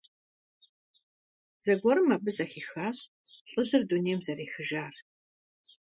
Зэгуэрым абы зэхихащ лӀыжьыр дунейм зэрехыжар.